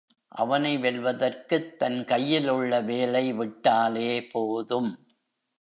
அவனை வெல்வதற்குத் தன் கையில் உள்ள வேலை விட்டாலே போதும்.